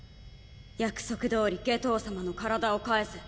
約束どおり夏油様の体を返せ。